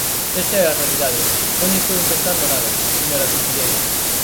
Esta é a realidade, non lle estou inventando nada, señora conselleira.